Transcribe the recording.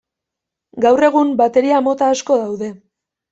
Gaur egun bateria mota asko daude.